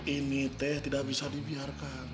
ini teh tidak bisa dibiarkan